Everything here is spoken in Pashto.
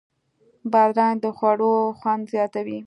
بادرنګ د خوړو خوند زیاتوي.